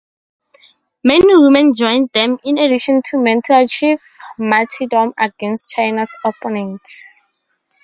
Many women joined them in addition to men to achieve martyrdom against China's opponents.